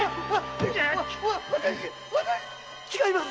〔違います！